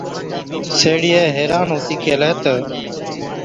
سِيهڙِيئَي حيران هُتِي ڪيهلَي تہ،